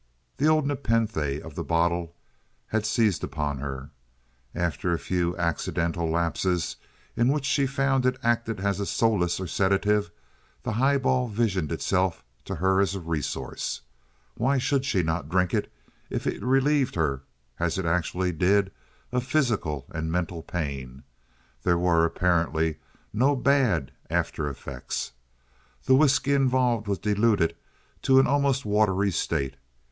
The old nepenthe of the bottle had seized upon her. After a few accidental lapses, in which she found it acted as a solace or sedative, the highball visioned itself to her as a resource. Why should she not drink if it relieved her, as it actually did, of physical and mental pain? There were apparently no bad after effects. The whisky involved was diluted to an almost watery state.